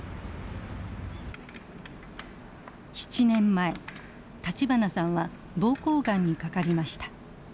７年前立花さんは膀胱がんにかかりました。